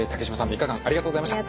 ３日間ありがとうございました。